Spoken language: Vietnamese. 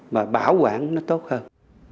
và bảo quản nó tốt hơn